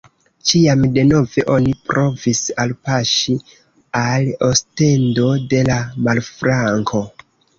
Ĉiam denove oni provis alpaŝi al Ostendo de la marflanko.